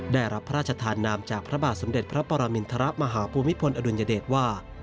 ได้รับพระราชทานนามจากพระบาทสมเด็จพระปรมินทรมาฮภูมิพลอดุลยเดชว่า